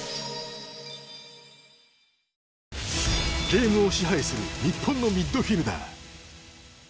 ゲームを支配する日本のミッドフィルダー。